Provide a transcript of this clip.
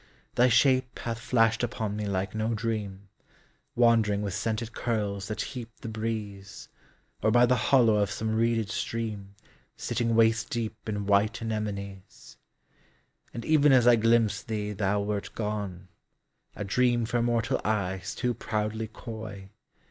Thy shape hath flashed upon me like no dream, Wandering with scented curls that heaped the breeze. Or by the hollow of some reeded stream Sitting waist deep in white anemones ; And even as I glimpsed thee thou wert gone, A dream for mortal eyes too proudly coy.